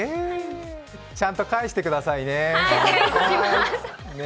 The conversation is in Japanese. ちゃんと返してくださいね。